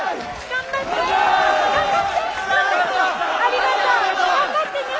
頑張ってね。